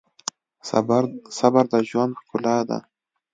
صبر د ژوند ښکلا ده.